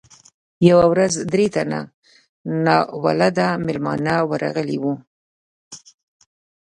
یوه ورځ درې تنه ناولده میلمانه ورغلي وو.